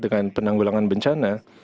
dengan penanggulangan bencana